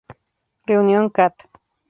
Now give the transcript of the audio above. Reunion, Cat.